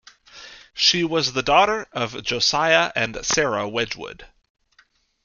She was the daughter of Josiah and Sarah Wedgewood.